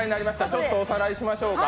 ちょっとおさらいしましょうか。